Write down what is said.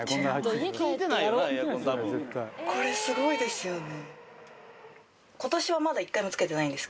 これすごいですよね。